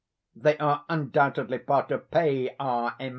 They are undoubtedly part of ΓΕΛΑΞΜΑ.